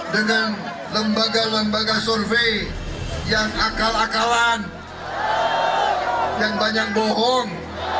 dengan lembaga lembaga survei yang akal akalan yang banyak bohong